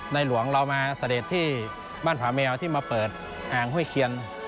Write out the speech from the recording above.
หลวงเรามาเสด็จที่บ้านผาแมวที่มาเปิดอ่างห้วยเคียน